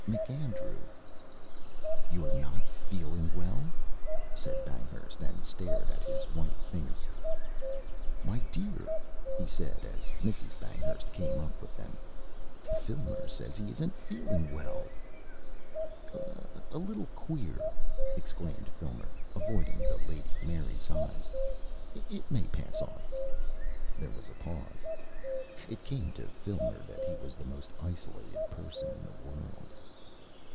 MacAndrew " "You're not feeling WELL?" said Banghurst, and stared at his white face. "My dear!" he said, as Mrs. Banghurst came up with them, "Filmer says he isn't feeling WELL." "A little queer," exclaimed Filmer, avoiding the Lady Mary's eyes. "It may pass off " There was a pause. It came to Filmer that he was the most isolated person in the world.